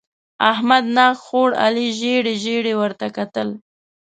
احمد ناک خوړ؛ علي ژېړې ژېړې ورته کتل.